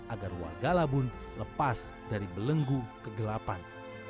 agar warga labun lepas dari belenggu kegelapan